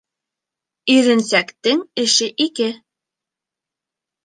Иренсәктең эше ике.